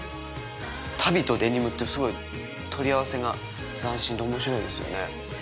足袋とデニムってすごい取り合わせが斬新で面白いですよね。